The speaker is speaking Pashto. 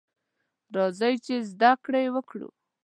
راځئ ! چې زده کړې وکړو.